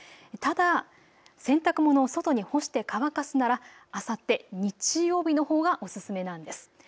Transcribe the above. ただ洗濯物を外に干して乾かすなら、あさって日曜日のほうがお勧めなんです。